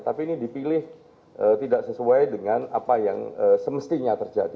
tapi ini dipilih tidak sesuai dengan apa yang semestinya terjadi